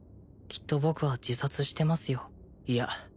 きっと僕は自殺してますよいや